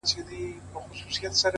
• زما خو ټوله كيسه هر چاته معلومه؛